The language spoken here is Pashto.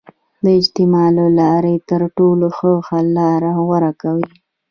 د اجماع له لارې تر ټولو ښه حل لاره غوره کوي.